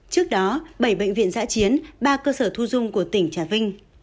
trước đó bảy bệnh viện giã chiến ba cơ sở thu dung của tỉnh trà vinh